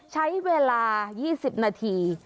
ใช้เวลา๒๐นาที